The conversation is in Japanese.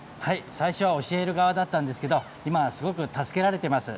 最初は教える側だったんですけど、今はすごく助けられています。